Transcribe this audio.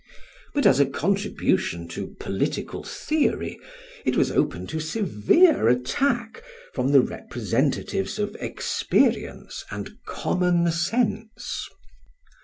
But as a contribution to political theory it was open to severe attack from the representatives of experience and common sense.